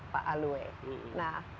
pak alwe nah